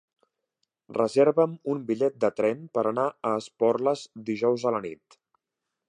Reserva'm un bitllet de tren per anar a Esporles dijous a la nit.